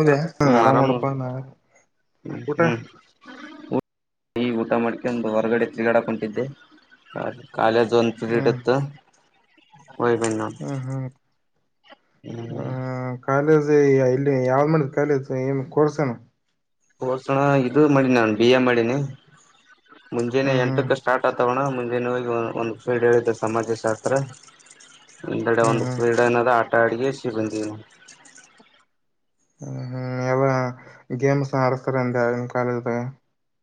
ಆರಾಮಿದೆ ಹ ಹ್ಮ ಆರಾಮ್ ನೋಡಪ್ಪಾ ನೋಡ್ ನಾ ಊಟ ಹ್ಮ್ ಊ ಈ ಊಟ ಮಾಡ್ಕೆ ಒಂದು ಹೊರಗಡೆ ತಿರುಗಡ ಕಟಿದ್ದೆ ಕಾಲ ಹ್ಮ್ ಜಝೋನ್ಫ್ರೀಟಪ್ಪತ್ತು ಹ ಯ್ಬ ನ ಹ್ಮ್ ಹ್ಮ್ ಹ್ಮ್ ಇಲ್ಲಿ ಯಾವ್ದ್ ಮಾಡ ಕಾಲೇಜ್ ಏನ್ ಕೊರ್ಸಣ ಹೋಸಣ ಇದು ಮಾಡನಿ ನಾನು ಬಿ ಎ ಮಾಡನಿ ಮುಂಜೆಾನನೆ ಹ್ಮ್ ಹ್ಮ್ ಎಂಟಕ್ಕೆ ಸ್ಟಾರ್ಟ್ ಆತಾವಣ್ಣ ಮುಂಜನೆ ಹೋಗಿ ಒಂದು ಫೀಡ್ ಹೇಳಿದ್ದ ಸಮಾಜ ಶಾಸ್ತ್ರ ಎಂದೆಡೆ ಹ್ಮ್ ಒಂದು ಹ್ಮ್ ರೂಪಾಯಿ ಇಡಿ ಆನೊಂದು ಹಕ್ ಟಾಡಿಯ ಸಿಬಂದಿ ಹ್ಮ ಹ್ಮ್ ಎ ಗೇಮ್ಸ್ ಅಡಸ್ತಾರೆ ಅಂದನ್ ಕಾಲೇಜ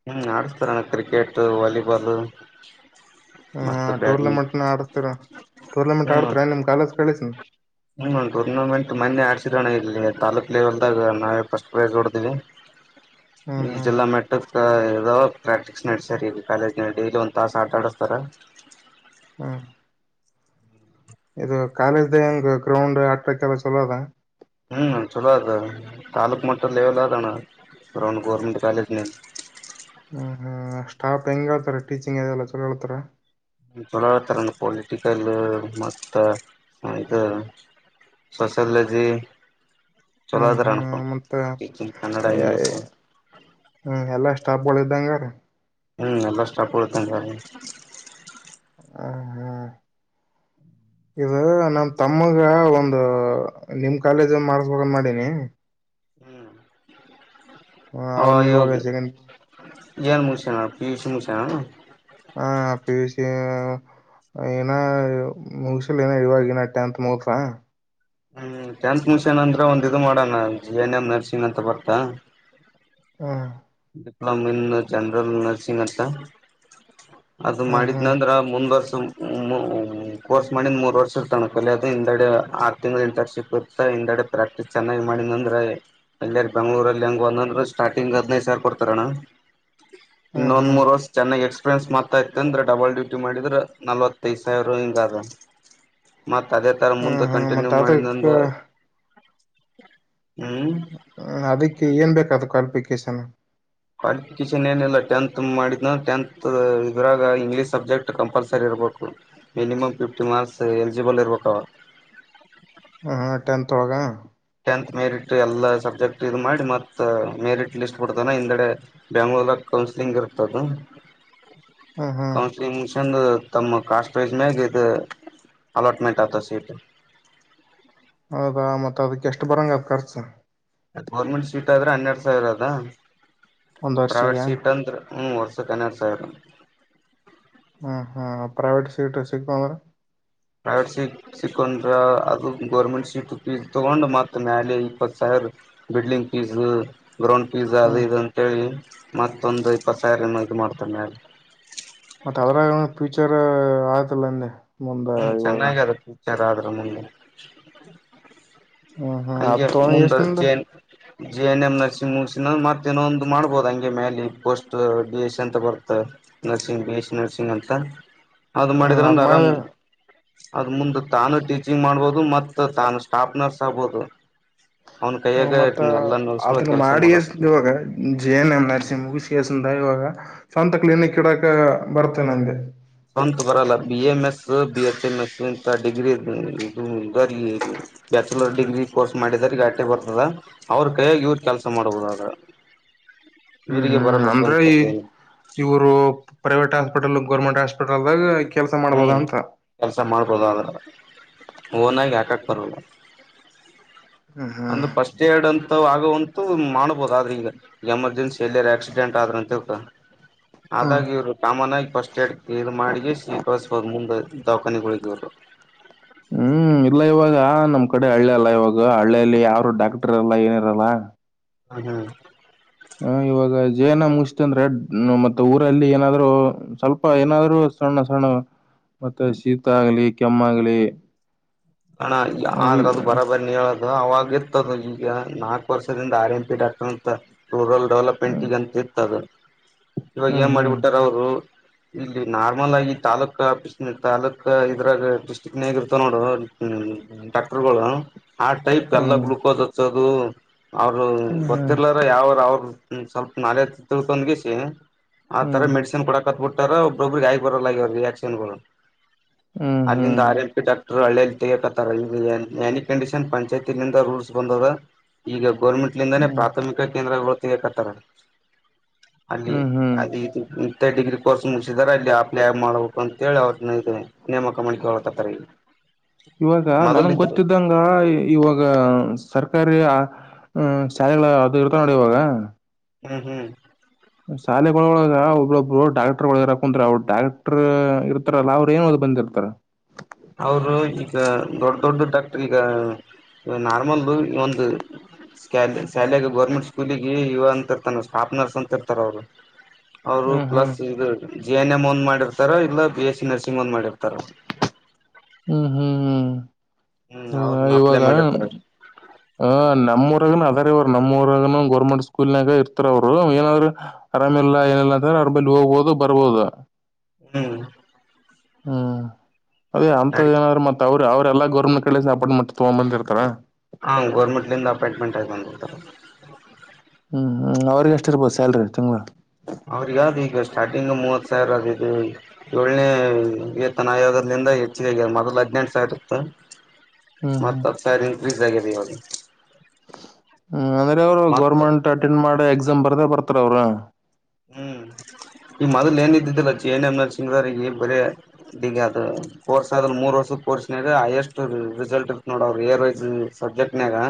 ಹ್ಮ್ ಆಡಸ್ತಾರೆಣ ಕ್ರಿಕೆಟ್ ವಾಲಿಬಾಲ್ ಹ ಮತ್ತ ಬ್ಯಾಡ್ಮಿಂಟನ್ ಟೂರ್ನಮೆಂಟ್ನ ಆಡಿಸತಿರ ಟೂರ್ನಮೆಂಟ್ ಆಡ್ತರ ನಿಮ್ ಕಾಲೇಜ್ ಕಳಿಸನ ಹ್ಮ್ ಹ್ಮ್ ಟೂರ್ನಮೆಂಟ್ ಮೊನ್ನೆ ಆಡ್ಸಿದಣ ಇಲ್ಲಿ ತಾಾಲೂಕ್ು ಲೆವೆಲ್ದಾಗ ನಾವೇ ಫಸ್ಟ್ ಪ್ರೈಸ್್ ಹೊಡ್ತೀವಿ ಹ್ಮ್ ಈ ಹ್ಮ್ ಜಲ್ಲಾ ಮೆಟ್ಟ ಇೋ ಪ್ರಾಕ್ಟೀಸ್ ನಡಸರ್ ಈಗ ಕಾಲೇಜ್ನ ಡೈಲಿ ಒಂದು ತಾಸ ಆಟ ಆಡಿಸ್ತಾರೆ ಹಾ ಇದು ಕಾಲೇಜ್ ಹೆಂಗ ಗ್ರೌಂಡ್ ಆಟಕ್ಕೆಲ್ಲ ಚಲೋ ಅದ ಹ್ಮ ಚೊಲೋ ಅದ ತಾಲೂಕ್ ಮಟ್ಟೆಲೆವೆಲ್ ತ ಆದ ಅಣ್ಣ ಗೌರ್ಮೆಂಟ್ ಕಾಲೇಜ್ ಸ್ಟಾಪ್ ಹೆಗೆ ಹೇಳ್ತಾರೆ ಟೀಚಿಂಗ್ ಅದೆಲ್ಲ ಚಲೋ ಹೇಳ್ತಾರೆ ತಳ ಥರನ ಪೊಲಿಟಿಕಲ್ ಮತ್ತು ಇದು ಸೋಸಲಜಿ ಹ್ಮ್ ಹ್ಮ್ ಮತ್ತ ಕನ್ನಡ ಇಂಗ್ಲೀಷು ಹ್ಮ ಎಲ್ಲಾ ಸ್ಟಾಪ್ ಬದಾಂಗ ರ ಹ್ಮ್ ಎಲ್ಲಷ್ಟಾಪಡ್ತ ಸ ಹ ಹ್ಮ ಇದು ನನ್ ತಮ್ಮಗ ಒಂದು ನಿಮ್ ಕಾಲೇಜ ಮಾಡ್ಬೇಕುವಂತ ಮಾಡೀನಿ ಹ್ಮ್ ಹ ಅವನ್ ಯೋಗ ಇವಾಗ ಸೆಕೆಂಡ್ ಜನ್ ಮುಷ ನ ಈಷಸ [unintelligible] ಹಾ ಪಿಯುಸಿ ಏನ ಮುಗಸಲ್ ಏನ ಇವನ ಟೆಂತ್ ಮುಗಸ ಹ್ಮ್ ಟ್ಯಾನ್ಸ್ ಮಿಷನ್ ಅಂದ್ರೆ ಒಂದ ಇ ಮಾಡೋಣ ಜಿ ಎನ್ ಎಂ ನರ್ಸಿಂಗ್ ಅಂತ ಬರ್ತ ಹ್ಮ ಡಿಪ್ಲೋಮ ಇನ್ ಜನರಲ್ ನರ್ಸಿಂಗ್ ಅ ಅದು ಹ್ಮ್ ಹ್ಮ್ ಮಾಡಿದ್ನಂದ್ರ ಮುಂದ್ರ್ಷ ಕೋರ್ಸ್ ಮಾಡ ಮೂರ್ ವರ್ಷ ಇರ್ತಾನ ಕ ಹಿಂದೆಡೆ ಆರ್ ತಿಂಗ ಇಂಟರ್ನ್ಶಿಪ್ ಇತ ಹಿಂದೆಡೆ ಪ್ರಾಕ್ಟೀಸ್ ಚೆನ್ನಾಗಿ್ ಮಾಡ ಅಂದ್ರೆ ಎಲ್ಲಿ ಬೆಂಗ್ಳೂರಲ್ಲಿ ಹೆಂಗಂದಂದ್ರೆ ಸ್ಟಾರ್ಟಿಂಗ್ ಹದ್ಿನೈದು ಸಾವರ ಕೊಡ್ತರೋಣ್ಣ ಹ್ಮ್ ನೋನ್ ಹ್ಮ್ ಮೊರಸ್ ಚೆನ್ನೈ ಎಕ್ಸ್ಪ್ರೆ ಫ್ರೆಂಡ್ಸ್ ಮಾತಾತೆ ಅಂದ್ರೆ ಡಬಲ್ ಡ್ಯೂಟಿ ಮಾಡಿದರೆೆ ನಲ್ವತ್ತೈದು ಸಾವಿರ ಹಿಂಗಾದ. ಮತ್ ಅದೇ ತರ ಹ್ಮ್ ಮುಂದೆ ಹ್ಮ್ ಕಂಟಿನ್ಯೂ ಮತ್ತ ಮಾಡಿದ ಅದಕ್ಕ ಒಂದು ಹ್ಮ್ ಅದಕ್ಕೆ ಏನ್ ಬೇಕಾದದು ಕಲ್ಪಿಕ್ ಕೆಸನ್ ಕ್ವಾಲಿಫಿಕೇಶನ್ ಏನಿಲ್ಲ, ಟೆಂತ್ ಮಾಡಿದ್ನ ಟೆಂತ್ ಇದ್ರಾಗ ಇಂಗ್ಲೀಷ್ ಸಬ್ಜೆಕ್ಟ್ ಕಂಪಲ್ಸರಿ ಇರಬೇಕು. ಮಿನಿಮಮ್ ಫಿಫ್ಟಿ ಮಾರ್ಕ್ಸ್ ಎಲಿಜಿಬಲ್ ಇರ್ಬೇಕಾವ. ಹ ಹ ಟೆಂತ್ ಹೋಗ ಟೆಂತ್ ಮೆರಿಟ್ ಎಲ್ಲ ಸಬ್ಜೆಕ್ಟ್ ಇದು ಮಾಡಿ ಮತ್ತು ಮೆರಿಟ್ ಲಿಸ್ಟ್ ಬಿಡ್ತಾನೆ ಹಿಂದೆಡೆ ಬೆಯಾಂಗ್ಳೂರಾಗ ಕೌನ್ಸ್ಲಿಂಗ್ ಇರ್ತದು. ಹ್ಮ್ ಹ್ಮ್ ಕೌಂನಸಲಿಂಗ್ ಮುಗಿಸಿ ಮ್ಮ ಕಾಸ್ಟ್ ವೈಸ್ ಮ ಇ ಅಲೋಟ್ಮೆಂಟ್ ಆತ ಸೀಟ್. ಹೌದಾ ಮತ್ ಅದಕ್ಕೆ ಎಷ್ಟು ಬರಂಗ ಅದ ಖರ್ಚು. ಗೌರ್ಮೆಂಟ್ ಸೀಟ್ ಆದ್ರೆ ಹನ್ನೆರಡ್ ಸಾವಿರ ಅದಾ. ಒಂದ್ ಪ್ರೈವೇಟ್ ವರ್ಷಿಗೆ ಸೀಟ್ ಅಂದ್ರ ಹ್ಮ್ ವರ್ಷಕ ಹನ್ನೆರಡ್ ಸಾವಿರ ಹ್ಮ್ ಹ್ಮ ಪ್ರೈವೇಟ್ ಸೀಟ್ರ ಸಿಗ್ತು ಅಂದ್ರ ಪ್ರೈವೇಟ್ ಸೀಟ್ ಸಿಕ್ಕೊಂಡ್ರ ಅದು ಗೌರ್ಮೆಂಟ್ ಸೀಟ್ ಫೀಸ್ ತಗೊಂಡು ಮತ್ತುತ್ತ ಮ್ಯಾಲ ಇಪ್ಪತ್ತು ಸಾವಿರ ಬಿಲ್ಡಿಂಗ್ ಫೀಸ್‌ ಬ್ರೌನ್ ಪಿಜಾ ಅದು ಹ್ಮ್ ಇ ಇದ ಅಂತೇಳಿ ಮತ್ತೊಂದು ಇಪ್ಪತ್ತು ಸಾವಿರನ ಇದು ಮಾಡ್ತಾನ ಮೆಲೆ. ಆಯತಲ್ಲಂದೆ. ಹ್ಮ್ ಚೆನ್ನಾಗದತ್ತ. ಚರಾದರ ಮಿ ಹ್ಮ್ ಹ್ಮ್ ಅದು ತೋನ ಎಷ್ಟಂದ ಜೆ ಎನ್ ಎಮ್ ನರ್ಸಿಂಗ್ ಮುರ್ಸ್ ಮತ್ತೇನೊ ಒಂದು ಮಾಡ್ಬೋದು ಹಂಗೆ ಮೇ ಪೋಸ್ಟ್ ಬಿ ಎಸ್ ಸಿ ಅಂತ ಬರ್ತ, nursing B S C nursing ಅಂತ. ಅದ್ ಮಾಡಿದ್ರನ್ ಆರಾಮ್ ಅದ ಮುಂದೆ ತಾನು ಟೀಚಿಂಗ್ ಮಾಡ್ಬಹದು ಮತ್ತ ತಾನು ಸ್ಟಾಫ್ ನರ್ಸ್ ಆಗ್ಬೋದು. ಅವ್ನ ಹ ಕೈಯಾಗ ಮತ್ತ ಎಲ್ಲಾ ನಡ್ಸ್ಕೊಳ ಅದನ್ನ ಕೆಲ್ಸ ಮಾಡಿ ಮಾಡೋದು ಇವಾಗ ಜೇನ ಎ ನಸಿ ಮುಗಿಸಿ ಕೇಸಂದ ಇವಾಗ ಸ್ವಂತ ಕ್ಲಿನಿಕ್ ಇಡಕ ಬರ್ತೇ ನನ್ಗೆ. ಸ್ವಂತ ಬರಲ್ಲ B M S B H M S ಇಂತ ಡಿಗ್ರಿ ಇ ಬ್ಯಾಚುಲರ್ ಡಿಗ್ರಿ ಕೋರ್ಸ್ ಮಾಡಿದ ಆಟೆ ಬರ್ತದ, ಅವ್ರ ಕೈಯಾಗಿ ಇವ್ರ ಕೆಲಸ ಮಾಡಬುದಾದ ಹ್ಮ್ ಹ್ಮ್ ಅಂದ್ರೆ ಈ ಇವರು ಪ್ರೈವೇಟ್ ಹಾಸ್ಪಿಟಲ್ ಗೌರ್ಮೆಂಟ್ ಹಾಸ್ಪಿಟಲ್ದಾಗ ಕೆಲಸ ಮಾಡ್ಬೋದ ಹ್ಮ್ ಅಂತ ಕೆಲ್ಸ ಮಾಡ್ಬೋದಾದ ಓನಾಗ ಯಾಕಕ್ ಬರಲ್ಲ ಹ್ಮ್ ಹ್ಮ್ ಅಂದ್ರೆ ಫಸ್ಟ್ ಏಡ್ ಅಂತ ಆಗಂತ ಮಾಡಬಹುದು ಆದ್ರೆ ಈಗ ಎಮರ್ಜೆನ್ಸಿ ಎಲ್ಲ ಆಕ್ಸಿಡೆಂಟ್ ಆದ್ರ ಅಂತ. ಹ್ಮ ಆದಾಗಿ ಇವ್ರು ಕಾಮನ್ ಆಾಗಿ ಫಸ್ಟ್ ಎಡ್ ಇ ಮಾಡಿ ಶ್ರೀಕಬೋ ಮುಂದೆ ದವಾಖಾನೆಗಳಿಗೆವರು. ಹ್ಮ್ ಇಲ್ಲ ಇವಾಗ ನಮ್ ಕಡೆ ಹಳ್ಳಿ ಅಲ್ಲ ಇವಾಗ ಹಳ್ಳಿಯಲ್ಲಿ ಯಾರು ಡಾಕ್ಟರ್ ಇರಲ್ಲ ಏನಿರಲ್ಲ ಹ್ಮ ಹ್ಮ್ ಹ ಇವಾಗ ಜೇನ ಮುಗತಂದ್ರೆ ಮತ್ತೆ ಊರಲ್ಲಿ ಏನಾದ್ರು ಸ್ವಲ್ಪ ಏನಾದ್ರು ಸಣ್ಣ ಸಣ್ಣ ಮತ್ತೆ ಶೀತ ಆಗ್ಲಿ ಕೆಮ್ಮ ಆಗ್್ಲಿ ಹಣ ಆದ್ರ ಅದು ಬರಬರಿ ನೀ ಅ ಅವಾಗ ಇರ್ತದ ಈಗ ನಾಲ್ಕು ವರ್ಷದಿಂದ ಆರ್ ಎಂ ಪಿ ಡಾಕ್ಟ ಅಂತ ರೂರಲ್ ಡೆವಲಪ್ಮೆಂಟ್ಗಂತ ಇರ್ತದ ಇವಾಗ ಹ್ಮ್ ಏನ್ ಹ್ಮ್ ಮಾಡಿಬಿಟ್ಟಾರ ಅವರು ಇಲ್ಲಿ ನಾರ್ಮಲ್ ಆಗಿ ತಾಲೂಕ ತಾಲೂಕಕ್ ಇದ್ರಾಗ ಡಿಸ್ಟ್ರಿಕ್ ನೇ ಆಗಿರ್ತ ನೋಡು ಹ್ಞ ಡಾಕ್ಟರ್ ಬೋಲ ಹಾ್ಟಟೈಪ್ ಕಲ್ಲ್ಲ ಹ್ಮ್ ಗ್ಲಲುಕೋಸ್ ಗು ಅವರು ಹ್ಮ್ ಗೊತ್ತಿರ್ಲಾರ ಯಾವ್ರ ಅವರು ಹ್ಮ ಸ್ವಲ್ಪ ನಾಳೆ ತಿಳ್ಕೊೊಂಡಗಿಸಿ ಆ ಹ್ಮ್ ತರ ಹ್ಮ್ ಮೆಡಸನ್ ಕೊಡಕತ್ಬ ಬಿಟ್ಟು ರ ಪ್ರಬ ಗಬರ ರರಿಕ್ಷನ್ ಹ್ಮ್ ಅಲ್ಲಿಂದ ಹ್ಮ್ ಆರಂಪಿ ಡಾಕ್ಟರ್ ಹಳ್ಳೇ' ತಕತ್ತಾರ ಈ ನಿ ಕಂಡೀಷನ್ ಪಂಚಾಯತಿಂದ ರೂಲ್ಸ್ ಬಂದ್ರ ಈಗ ಗೌರ್ಮೆಂಟ್ಲಿಂದೇ ಪ್ರಾಥಮಿಕ ಕೇಂದ್ರಗಳು ಕಕತರ ಅಲ್ಲಿ ಹ್ಮ್ ಹ್ಮ್ ಅದ ಇದು ಡಿಗ್ರಿ ಕೋರ್ಸ್ ಮುಗಿಸಿದಿದ್ದಾರೆ ಅಲ್ಲಿ ಅಪ್ಲೈ ಆ ಮಾಡಬೇಕು ಅಂತೇಳಿ ಅವ್ರ ಇ ನೇಮಕ ಮಾಡಳಿಕಕತಾರೆಲ್ಲಿ ಇವಾಗ ನನ್ಂಗ ಗೊತ್ತಿದ್ದಂಗ ಇವಾಗ ಸರ್ಕಾರಿ ಶಾಲೆಗಳ ಅದು ಇರ್ತ ನೋಡಿ ಇವಾಗ ಹ್ಮ್ ಹ್ಮ್ ಶಾಲೆಗಳೊಳಗ ಒಬ್ಬ್ರೊಬ್ರು ಡಾಕ್ಟರ್ ಒಗರ ಕುತ್್ರ ಅವ್ರರು ಡಾಕ್ಟರ್ ಇರ್ತಾರಲ್ಲ ಅವ್ರರು ಏನ್ ಬಂದಿರ್ತಾರ ಅವರು ಈಗ ದೊಡ್ಡ ದೊಡ್ಡ ಡಾಕ್ಟರ್ ಈಗ ನಾರ್ಮಲ್ಲ ಈ ಒಂದು ಶಾಲ ಶಾಲೆೆಗೆ ಗೌರ್ಮೆಂಟ್ ಸ್ಕೂಲಿಗೆ ಯುವ ಅಂತಿರ್ತಾನ ಸ್ಟಾಫ್ ನರ್ಸ್ ಅಂತಿರ್ತಾರ ಅವರು ಅವರು ಹ್ಮ್ ಹ್ಮ್ ಪ್ಲಸ್ ಇ ಜೆ ಎನ್ ಎಮ್ ಒಂದ್ ಮಾಡಿರ್ತಾರ ಇಲ್ಲ ಬಿ ಎಸ್ ಸಿ ನರ್ಸಿಂಗ್ ಒಂದ್ ಮಾಡಿರ್ತಾರ ಹ್ಮ್ ಹ್ಮ್ ಹ್ಮ್ ಹ್ಮ್ ಹದ ಅವ್ರನ್ನ ಇವಾಗ ಅಪ್ಲೈ ಮಾಡಿರ್ತಾರ ಆ ನಮ್ಮ ಅದಾರವರು ನಮ್ಮವರಾಗನು ಗೋರ್ಮೆಂಟ್ ಸ್ಕೂಲ್ನಾಗ ಇರ್ತಾರ ಅವ್ರು ಏನಾದ್ರು ಆರಾಮಲ್ಲ ಏನಿಲ್ಲ ಅಂತ ಅರ ಮೇಲೆ ಹೋಗ್ಬೋದು ಬರ್ಬೋದು ಹ್ಮ್ ಹ್ಮ್ ಅದೇ ಅಂತದ್ ನಡಿ ನಾದ್ರೆ ಮತ್ ಅವರು- ಅವ್ರ ಎಲ್ಲ ಗೌರ್ಮಂಟ್ ಕಳ ಸಾಪ ಮತ್ತ ತಗೊಂಬಂದರ್ತ ಹಾ ಗೌರ್ಮೆಂಟ್ಲಿಂದ ಅಪಾಯಿಂಟ್ಮೆಂಟ್ ಆಯತು ಬಂದಡ್ತಾರೆ ಹ್ಮ್ ಹ್ಮ್ ಅವ್ರಿಗೆ ಎಷ್ಟಿರ್ಬೋದು ಸ್ಯಾಲ್ರಿ ತುಂಬ್ಾ ಅವ್ರ ಯಾವ್ದು ಈಗ ಸ್ಟಾರ್ಟಿಂಗ್ ಮೂವತ್ತು ಸಾವಿರ ಅದು ಇದು ಏಳನೇ ವೇತನ ಆಯೋಗದಿಂದ ಹೆಚ್ಚಿಗೆಗ್ಯ ಮೊದಲು ಹದ್ಿನೆಂಟು ಸಾವಿರ ಇತ್ತ ಹ್ಮ್ ಹ್ಮ್ ಮತ್ತ ಸ ಇನ್ಕ್ರೀಸ್ ಆಗ್ಯಿದೆ ಇವಾಗ ಹ್ಮ್ ಅಂದ್ರೆ ಈಗ ಅವರು ಮತ್ ಗೌರ್ಮೆಂಟ್ ಅಟೆಂಡ್ ಮಾಡ ಎಕ್ಸಾಮ್ ಬರ್ದ ಬರ್ತಾರ ಅವರು ಹ್ಮ್ ಈ ಮೊದ್ಲು ಏನ ಇದಿದ್ದಿಲ್ಲ ಚಿ ಏನ್ಮನ ಚಂಗದ್ರ ಈಗ ಬರ ದಗ ಅದು ಕೋರ್ಸ್ ಆದ್ರಲ್ ಮೂರ್ ವರ್ಷದ ಕೋರ್ಸ್ನ ಹೈಯೆಸ್ಟ್ ರಿಸಲ್ಟ್ ಇತ ನೋಡ ಅವರು ಏರ್ ವೈಸ್ ಸಬ್ಜೆಕ್ಟ್ನ್ಯಾಗ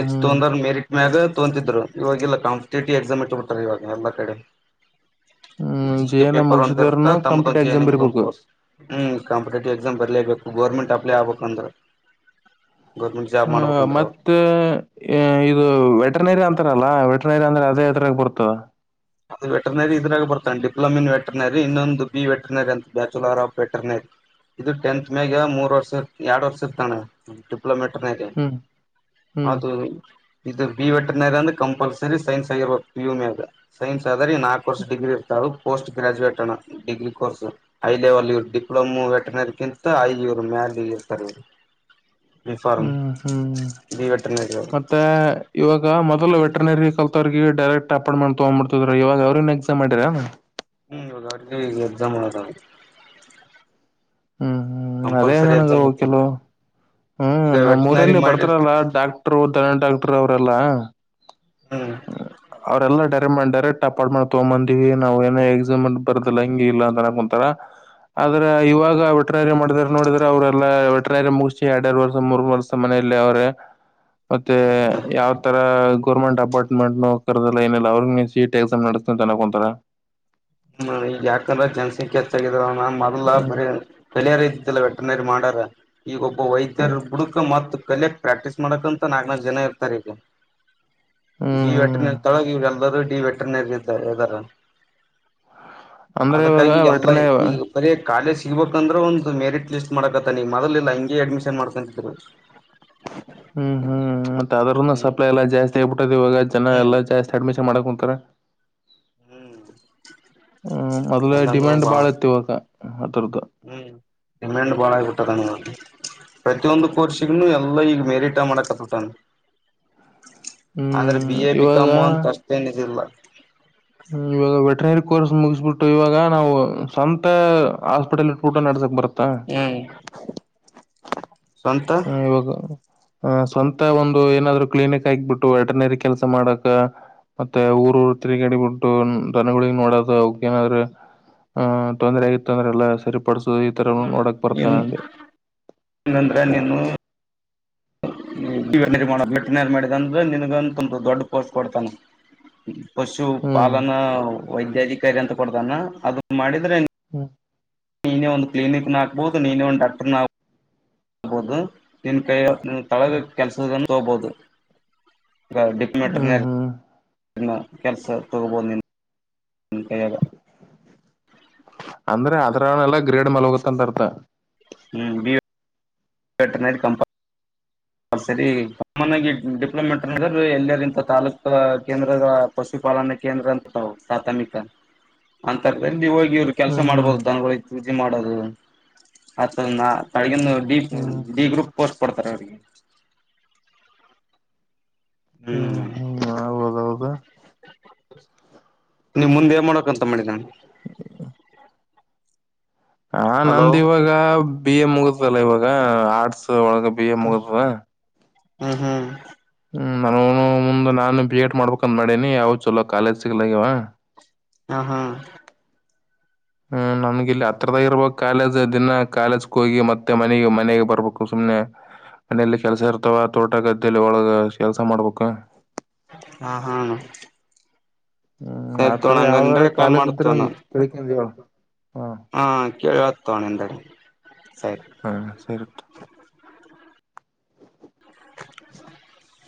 ಅೆ ಹ್ಮ್ ತೊಂದ್ರ ಮೆರಿಟ್ ಮ ಆಗ ಂತಿದರು ಇವಲ್ಲ ಕಂಪಿಟೇಟಿವ್ ಎಕ್ಸಾಮ ಇವಾಗ ಎಲ್ಲ ಕಡೆ ಹ್ಮ್ G J K N M paper ಒಂದ್ ಇರ್ತ ಮುಗಿಸಿದರ್ನು ತಮ್ಮ್ದ ಒಂದು ಕಾಂಪಿಟೇಟಿವ್ ಜಿ ಎಕ್ಸಾಮ್ ಎನ್ಂಗಂದು ಬರಿಬೇಕು ಕೋರ್ಸ್ ಹ್ಮ ಪಪಟೇಟಿವ್ ಎಕ್ಸಾಮ್ ಬರಲೇಬೇಕು ಗೌರ್ಮೆಂಟ್ ಅಪ್ಲೈ ಆಗ್ಬೇಕಂದ್ರೆ ಹ ಮತ್ತೆ ಇದು ವೆಟನರಿ ಅಂತಾರ ಅಲ್ಲಾ ವೆಟನರಿ ಅಂದ್ರೆ ಅದೇ ಹರಕ್ಕೆ ಬರ್ತಾವ ಅದು ವೆಟರ್ನರಿ ಇದ್ರಾಗ ಬರ್ತಾನೆ ಡಿಪ್ಲೊಮಿ ಇನ್ ವೆಟರ್ನರಿ ಇನ್ನೊಂದು ಬಿ ವೆಟರ್ನರಿ ಅಂತ ಬ್ಯಾಚುಲರ್ ಆಫ್ ವೆಟರ್ನರಿ ಇದು ಟೆಂತ್ ಮೇಾಗ ಮೂರ್ ವರ್ಷ ಎರಡ್ ವರ್ಷ ಇರ್ತಾನೆ ಕಲೋಮೀಟರ್ನದೆ ಹ್ಮ್ ಹ್ಮ್ ಅದು ಇದು ಬಿ ವೆಟನರಿ ಅಂದೆ ಕಂಪಲ್ಸರಿ ಸೈನ್ಸ್ ಆಗಿರ್ಬು ಪುಮಿಾಗ ಸೈನ್ಸ್ ಆದರೆ ನಾಲ್ಕು ಕೋರ್ಸ್ ಡಿಗ್ರಿ ಇರ್ತಾರ ಪೋಸ್ಟ್ ಗ್ರಾಜುಯೇಟ್ ಡಿಗ್ರಿ ಕೋರ್ಸ್ ೈ ಲೆವೆಲ್ ಇವ್ ಡಿಪ್ಲೊಮೋ ವೆಟನರಿ ಕಿಂತ ಇವ್ರು ಮ್ಯಾಲ ಇರ್ತಾರೆ ಇವ್ರು ಬಿ ಫಾರ್ಮ್. ಹ್ಮ್ ಹ್ಮ್ ಬಿ ವೆಟನರಿ ಅವರು ಮತ್ತೆ ಇವಾಗ ಮತ್ತ ಅಲ್ಲ ವೆಟೆನರಿ ಕಲ್ವ್ರರಿಗೆ ಡೈರೆಕ್ಟ್ ಅಪಾಯಂಟ್್ಮೆಟ್ ತಗೊಂಡ್ಿಡ್ಿದ್ರ ಇವಾಗ ಅವ್ರನ್ ಎಕ್ಸಾಮ್ ಮಾಡಿರಾ ಇಾಗ ಅಡ್ಗೆ ಎಕ್ಸಾಮ್ ಮಾಡದ ಹ್ಮ್ ಹ್ಮ್ ಅದೇನನ ಚೋಕಲೋ ಹ್ಮ್ ಈಗ ನಮ್ಮ್ ವೆಟನರಿ ಊರಲ್ಲಿ ಮಾಡಿ ಬರ್ತಾರಲ್ಲಾ ಡಾಕ್ಟ್ರು ದಧನ ಡಾಕ್ಟರು ಅವ್ರಲ್ಲ ಹ್ಮ್ ಅವರೆಲ್ಲ ಡ ವೆಟ ಮಾಡಿ ಡೈರೆಕ್ಟ್ಟಪ್ಪಾಡ್ ಮಾಡ್ ತಗೊಂಡ್ ಬಂದಿವವಿ ನಾವವು ಏನ ಎಕ್ಸಾಮ್ ಬರದಿಲ್ಲ ಹಿಂಗ ಇಲ್ಲ ಅಂತ ಅಕೊಂತಾರ ಆದ್ರ ಇವಾಗ ವೆಟ್ರನರಿಯ ಮಾಡಿದಾರ ನೋಡಿದ್ರ ಅವ್ರೆಲ್ಲಾ ವೆಟ್ರೇರಿಯ ಮುಗಸ ಎರಡ್ ಎರಡು ವರ್ಷ ಮೂರ್ ವರ್ಷ ಮನೆಯಲ್ಲಿ ಅವ್ರೆ ಮತ್ತೆ ಹ್ಮ್ ಯಾವ ತರ ಗೌಮೆಂ ಡಿಪಾರ್ಟ್ಮೆಂಟ್ ನ ಕರೆದಲ್ಲ ಏನಲ್ಲ ಅವ್ರ ಸೀಟ್ ಎಕ್ಸಾಮ್ ನಡೆಸ್ತನ ಅನಕೊಂತರ ಹ್ಮ ಈಗ ಯಾಕ್ರ ಜನಸಂಖ್ಯೆ ಹೆಚ್ಚಾಗದವ ನ ಮೊದಲ್ಲ ಹ್ಮ್ ಬರ ಬೆಲೆಯಾರ ಇದತಿತ್ತಲ್ಲ ವೆಟ್ರನರಿ ಮಾಡಾರ ಈಗ ಒಬ್ಬ ಹ್ಮ್ ವೈದ್ಯರ ಬುಡುಕ ಮತ್ತು ಕಲಿಯಕ್ ಪ್ರಾಕ್ಟೀಸ್ ಮಾಡಕ ಅಂತ ನಾಗ ನ ಜನ ಇರ್ತಾರೆ ಈಗ ಹ್ಮ್ ದ ಎಟ್ಟ ಹ್ಮ್ ತಳ ಎದ ಟ ವೆಟ್ರನರಿ ಇ್ದಾರ ಅಂದ್ರೆ ಇವಾಗ ಅದಕ್ಕಾಗಿ ಎಲ್ಲ ವೆಟ್ರನ ಈಗ ಬರ ಕಾಲೇಜ ಸಿಗ್ಬೇಕಂದ್ರೆ ಒಂದು ಮೆರಿಟ್ ಲಿಸ್ಟ್ ಮಾಡಕತ್ತಾನ ಮೊದಲಿಲ್ಲ ಹಿಂಗೆ ಅಡ್ಮಿಷನ್ ಮಾಡ್ಕೊಂತಿದ್ರು ಹ್ಮ್ ಹ್ಮ್ ಅದೂ ಹ್ಮ್ ಸಪ್ಲೈ ಎಲ್ಲ ಜಾಸ್ತಿ ಆಗ್ಬಿಟ್ಟದ ಇವ ಜ ಹ್ಮ್ ಎಲ್ಲ ಜಾಸ್ತಿ ಅಡ್ಮಿಷನ್ ಮಾಡಕ್ ತ್ತರ ಹ್ಮ್ ಹ್ಮ ಮೊದ್ಲ ಎಲ್ಲಾನು ಡಿಮ್ಯಾಂಡ್ ಬಾಳ ಬಾಳತ್ ಇವಾಗ ಹದು ಹ್ಮ್ ಡಿಮ್ಯಾಂಡ್ ಬಾಳ ಆಗಬಿಟ್ಟದ ನೋಲ್ಲಿ ಪ್ರತಿಯೊಂದು ಕೋರ್ಷಿಗನು ಎಲ್ಲ ಈಗ ಮೇರಿಟ ಮಾಡಕತ್ತತಾನು ಆದ್ರೆ ಹ್ಮ್ ಬಿ ಎ ಬಿಿಕಾಮ್ ಅಂತ ಅಷ್ಟೇನಿಲ್ಲ ಹ್ಮ್ ಇವಾಗ ವೆಟನರಿ ಕೋರ್ಸ್ ಮುಗಿಸ್ಬಿಟ್ಟು ಇವಾಗ ನಾವು ಸ್ವಂತ ಆಾಸ್ಪಿಟಲ್ ಇಟ್ಟ ಊಟ ನಡ್ಸಕ್ ಬರತ್ತಾ ಹ್ಮ್ ಸ್ವಂತ ಹ್ಮ ಇವಾಗ ಆಹ ಸ್ವಂತ ಒಂದು ಏನಾದ್ರು ಕ್ಲಿನಿಕ್ ಆಗ್ಬಿಟ್ಟು ವೆಟರ್ನರಿ ಕೆಲ್ಸ ಮಾಡಕ ಮತ್ತೆ ಊರ್ ಊರು ತಿರುಗಡಿ ಬಿಿಟ್ಟು ದನಗಳಗ್ ನೋಡದ ಅವ ಏನಾದ್ರು ಆಹ ತೊಂದರೆ ಆಗಿತ್ತು ಅಂದ್ರಲ್ಲ ಸರಿ ನಿನ್ನಣ ನಿಂದ ನಿನ್ನ ಬೆಟ್ಟನ ಮಾಡ ಅಂದ್ರೆ ನಿನ್ಗ ತುಂಬ ದೊಡ್ಡ ಪೋರ್ಸ ಕೊಡ್ತಾನ ಹ್ಮ್ ಪಶುಪಾಲನ ವೈದ್ಯಾಧಿಕಾರಿ ಅಂತ ಕೊಡದಾನ ಅದು ಮಾಡಿದ್ರೆ, ಹ್ಮ ನೀನೇ ಒಂದು ಕ್ಲಿನಿಕ್ ನ ಹಕ್ಬಹುದು ನೀನೇ ಒಂದು್ ಡಾಕ್ಟರ್ ನಬಹುದು ನಿನ್ ಕೈಯ ತಳಗ ಹ್ಮ್ ಕೆಲಸದ ಹ ತೋಬೋದು ಹ ಹ್ಮ್ ಡಿಪ್ಲಮೆಟ್ರನ ಹ್ಮ್ ಕೆಲ್ಸ ತಗಬೋ ನಿ ಅಂದ್ರೆ ಅದ್ರನೆೆಲ್ಲಾ ಗ್ರೇಡ್ ಮಲ್ೋಗತ್ತ ಅಂತ ಅರ್ಥ ಹ್ಮ್ ಬ ಸಟರ್ನೈಟ್ ಕಂಪ ಹ ಸರಿ ಕಾಮನ್ ಆಗಿ ಡಿಪ್ಲೊಮೆಟ್ ಎಲ್ಲಂತ ತಾಾಲೂಕ ಕೇಂದ್ರ ಪಶುಪಾಲನಾ ಕೇಂದ್ರ ಅಂತ ಪ್ರಾಥಮಿಕ ಅಂತರದಲ್ಲಿ ಇ್ರು ಕೆಲಸ ಹ್ಮ್ ಹ್ಮ್ ಮಾಡಬಹುದು ದನ ಮಾಡಗ ಹ್ಮ್ ಗ್ರೂಪ್ ಪೋಸ್ಟ್ ಕೊಡ್ತಾರೆ ಅವ್ರಿಗೆ ಹ್ಮ್ ನಿಮ್ ಮುಂದೆ ಮಾಡಕಂತ ಮಾಡಿ ನಾನು ಹ ಹಲೋ ನಂದ ಇವಾಗ ಬಿ ಎ ಮುಗಿದಲ್ಲ ಇವಾಗ ಆರ್ಟ್ಸ್ ಒಳಗೆ ಬ್ಯ ಮುಗದುವ ಹ್ಮ ಹ್ಮ್ ಹ್ಮ್ ನಾನ ಮುಂದ ನಾನು ಬಿ ಎಡ್ ಮಾಡ್ಬೇಕಂದ್ ಮಾಡೇನಿ ಯಾವ ಚಲ ಕಾಲೇಜ್ ಸಿಗ್ಲಾಗಿವ [unintelligible] ಹಾ ಹಾ [unintelligible] ಹ್ಮ್ ನಮಗೆ ಇಲ್ಲಿ ಹತ್ರದಾಗ ಇರ್ಬ ಕಾಲೇಜ್ ದಿನ ಕಾಲೇಜ್ಗೆ ಹೋಗಿ ಮತ್ತೆ ಮನೆಗೆ ಮನೆಗೆ ಬರ್ಬೇಕು ಸುಮ್ನೆ ಮನೇಲಿ ಕೆಲ್ಸ ಇರ್ತಾವ ತೋಟ ಗದ್ದೆಯಲ್ಲಿ ಒಳಗ ಕೆಲ್ಸ ಮಾಡ್ಬೇಕ ಹಾ ಹಾ ಹ್ಮ್ ಸರಿ ಆತರ ತೋಣ ಹಂಗ ಯಾವ್ದಾರ ನಿಂದಡೆ ಕಾಲ್ ಕಾಲೇಜ್ ಇದ್ರ ಮಾಡತೋಣ ಕೆಲಕಂಡು ಹೇಳು [unintelligible] ಹಾ ಕೇಳತಣ ಎಂದಡೆ ಸ ಹಾ ಸರಿ [inaudible]